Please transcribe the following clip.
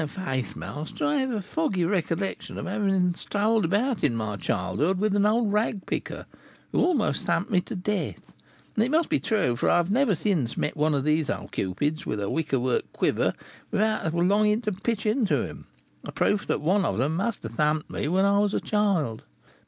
"Faith, master, I have a foggy recollection of having strolled about in my childhood with an old rag picker, who almost thumped me to death; and it must be true, for I have never since met one of these old Cupids, with a wicker work quiver, without a longing to pitch into him, a proof that one of them must have thumped me when I was a child.